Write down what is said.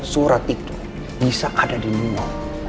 surat itu bisa ada di luar